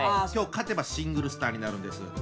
今日勝てばシングルスターになるんです。